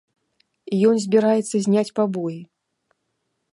Ён збіраецца зняць пабоі.